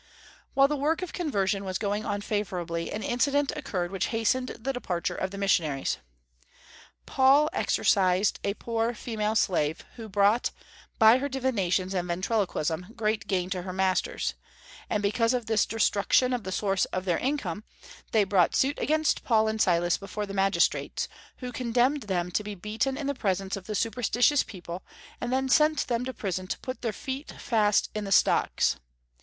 While the work of conversion was going on favorably, an incident occurred which hastened the departure of the missionaries. Paul exorcised a poor female slave, who brought, by her divinations and ventriloquism, great gain to her masters; and because of this destruction of the source of their income they brought suit against Paul and Silas before the magistrates, who condemned them to be beaten in the presence of the superstitious people, and then sent them to prison and put their feet fast in the stocks.